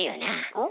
おっ？